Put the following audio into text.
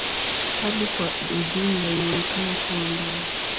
Hali kwa ujumla inaonekana kuwa mbaya.